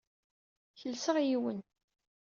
Kelseɣ yiwen.